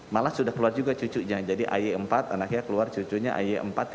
malah sudah keluar juga cucunya jadi ay empat anaknya keluar cucunya ay empat tiga